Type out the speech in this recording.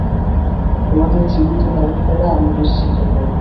তোমাদের জীবিত বাড়ি ফেরা আমি নিশ্চিত করবো।